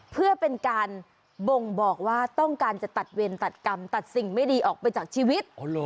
เพื่อเป็นการบ่งบอกว่าต้องการจะตัดเวรตัดกรรมตัดสิ่งไม่ดีออกไปจากชีวิต